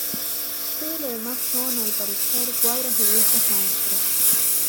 Todo lo demás son, al parecer, cuadros de "Viejos Maestros".